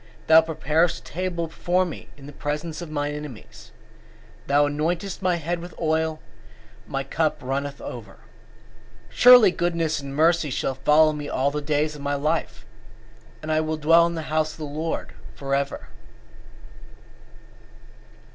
23:5 Thou preparest a table before me in the presence of mine enemies: thou anointest my head with oil; my cup runneth over. 23:6 Surely goodness and mercy shall follow me all the days of my life: and I will dwell in the house of the LORD for ever.